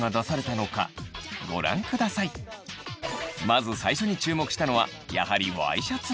まず最初に注目したのはやはりワイシャツ。